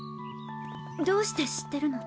どうして知ってるの？